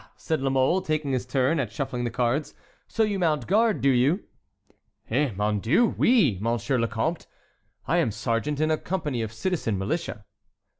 said La Mole, taking his turn at shuffling the cards. "So you mount guard, do you?" "Eh, mon Dieu, oui, Monsieur le Comte! I am sergeant in a company of citizen militia."